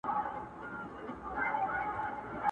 چي حاضره يې شېردل ته بوډۍ مور کړه٫